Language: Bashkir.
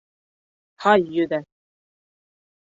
Һай йөҙә.